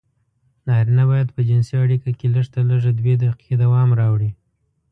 نارينه بايد په جنسي اړيکه کې لږترلږه دوې دقيقې دوام راوړي.